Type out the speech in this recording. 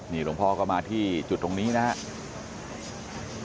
นี่หลวงพอก็มาที่จุดตรงนี้นะฮะ